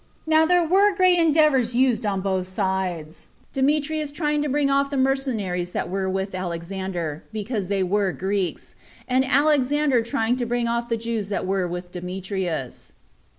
Now there were great endeavors used on both sides, Demetrius trying to bring off the mercenaries that were with Alexander, because they were Greeks, and Alexander trying to bring off the Jews that were with Demetrius.